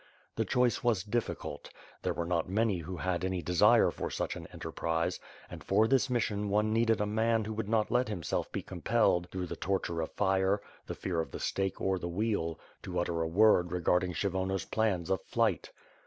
The choice was difficult. There were not many who had any desire for such an enterprise, and for this mission one needed a man who would not let himself be compelled through the torture of fire, the fear of the stake or the wheel, to utter a word regarding Kshyvonos' plans of flight.